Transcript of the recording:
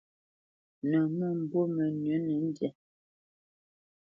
Nə̌ məmbu mənʉ̌nə ndyâ,